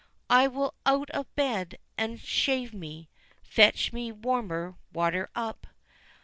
I will out of bed and shave me. Fetch me warmer water up!